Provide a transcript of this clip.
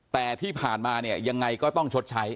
แต่ที่ผ่านมาเนี่ยยังไงก็ต้องชดใช้